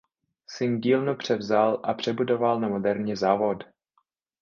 Syn dílnu převzal a přebudoval na moderní závod.